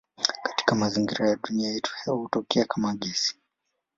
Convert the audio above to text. Katika mazingira ya dunia yetu hewa hutokea kama gesi.